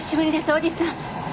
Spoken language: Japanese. おじさん。